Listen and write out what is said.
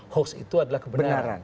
hoax itu adalah kebenaran